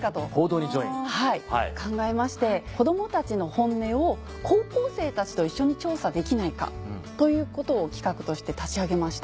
はい考えまして「子どもたちの本音を高校生たちと一緒に調査できないか」ということを企画として立ち上げました。